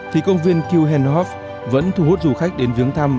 thì công viên keuhenhof vẫn thu hút du khách đến viếng thăm